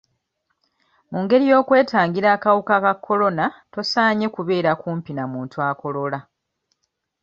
Mu ngeri y'okwetangiramu akawuka ka Corona tosaanye kubeera kumpi na muntu akolola